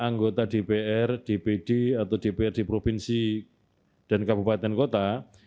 anggota dpr dpd atau dprd provinsi dan kabupaten kota